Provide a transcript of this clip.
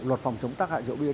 luật phòng chống tác hại rượu bia